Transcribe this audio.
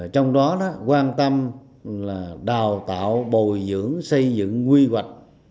trong đó quan tâm là đào tạo bồi dưỡng xây dựng quy hoạch